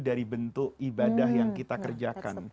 dari bentuk ibadah yang kita kerjakan